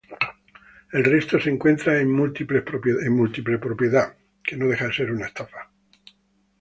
El resto se encuentran en múltiples propiedad.